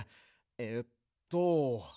えっと。